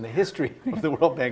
dalam sejarah grup world bank